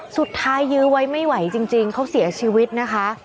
สุดท้ายยื้อไว้ไม่ไหวจริงเขาเสียชีวิตนะคะ